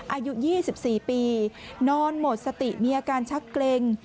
อายุ๒๔ปีนอนหมดสติมีอาการชักเกร็ง